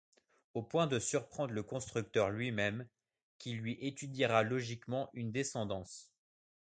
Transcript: Au point de surprendre le constructeur lui-même qui lui étudiera logiquement une descendante.